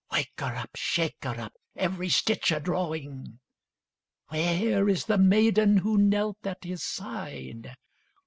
— Wake her up! Shake her up! Every stitch a drawing! Where is the maiden who knelt at his side?